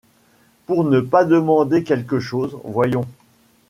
pour ne pas demander quelque chose. Voyons